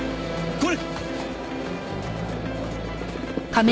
これ。